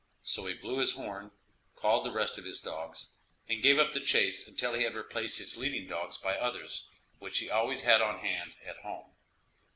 So he blew his horn, called the rest of his dogs, and gave up the chase until he had replaced his leading dogs by others, which he always had on hand at home.